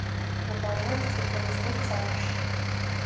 მდებარეობს წითელი ზღვის ცენტრში.